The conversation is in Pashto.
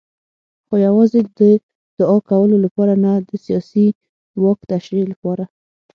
خو یوازې د دوعا کولو لپاره نه د سیاسي واک تشریح لپاره.